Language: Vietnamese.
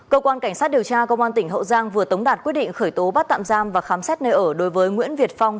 cơ quan cảnh sát điều tra công an tỉnh hậu giang vừa tống đạt quyết định khởi tố bắt tạm giam và khám xét nơi ở đối với nguyễn việt phong